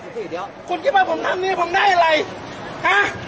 สิเดี๋ยวคุณคิดว่าผมทำนี้ผมได้อะไรฮะ